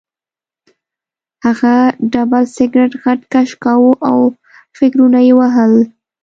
هغه ډبل سګرټ غټ کش کاوه او فکرونه یې وهل